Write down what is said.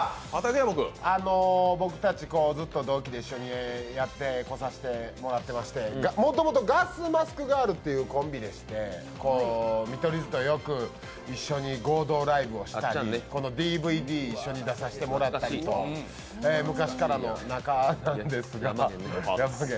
僕たちずっと同期で一緒にやってこさせてもらってまして、もともとガスマスクガールというコンビでして、見取り図とよく、一緒に合同ライブをしたりＤＶＤを一緒に出させてもらったりと昔からの仲なんですけど。